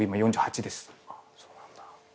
あっそうなんだ。